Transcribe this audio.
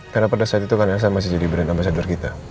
karena pada saat itu kan elsa masih jadi brand ambasador kita